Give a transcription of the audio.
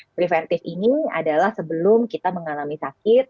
preventif ini adalah sebelum kita mengalami sakit